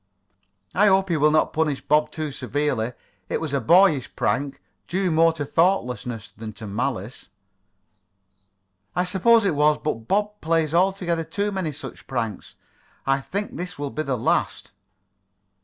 "I hope he will not punish Bob too severely. It was a boyish prank, due more to thoughtlessness than to malice." "I suppose it was, but Bob plays altogether too many such pranks. I think this will be the last."